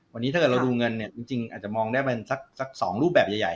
วันนี้ถ้าเกิดเราดูเงินเนี่ยจริงอาจจะมองได้เป็นสัก๒รูปแบบใหญ่